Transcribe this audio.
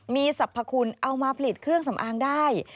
มีสรรพคุณเอามาผลิตเครื่องสำอางได้